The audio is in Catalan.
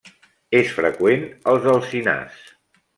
És freqüent als alzinars.